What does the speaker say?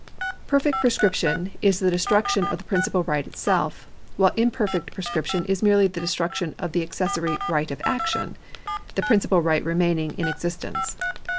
Per fect prescription is the destruction of the principal right itself, while imperfect prescription is merely the destruction of the accessory right of action, the principal right remaining in existence.